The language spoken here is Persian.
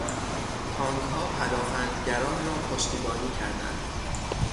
تانکها پدآفندگران را پشتیبانی کردند.